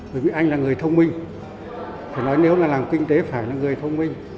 bởi vì anh là người thông minh phải nói nếu là làm kinh tế phải là người thông minh